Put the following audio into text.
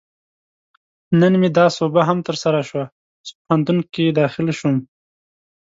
نن مې دا سوبه هم ترسره شوه، چې پوهنتون کې داخل شوم